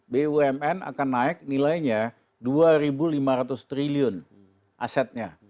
bumn akan naik nilainya dua lima ratus triliun asetnya